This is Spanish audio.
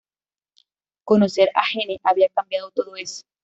Conocer a Gene había cambiado todo eso.